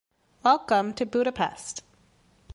Welcome to Budapest!